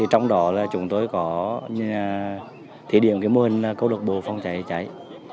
trong đó chúng tôi có thể điểm mô hình cơ lạc bộ phòng cháy trựa cháy